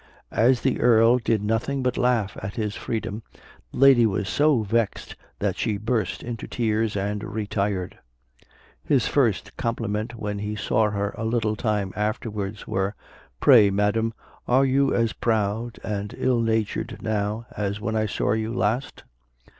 As the Earl did nothing but laugh at his freedom, the lady was so vexed that she burst into tears, and retired. His first compliment when he saw her a little time afterwards was, "Pray, madam, are you as proud and ill natured now as when I saw you last?"